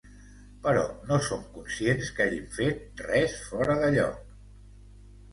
Però no som conscients que hàgim fet res fora de lloc.